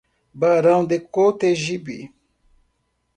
Barão de Cotegipe